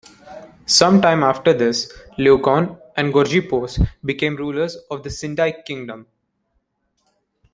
Sometime after this, Leukon and Gorgippos became rulers of the Sindike Kingdom.